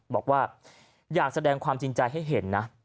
บอกว่าอยากแสดงความจริงใจให้เห็นนะ